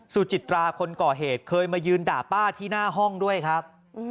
สุจิตราคนก่อเหตุเคยมายืนด่าป้าที่หน้าห้องด้วยครับ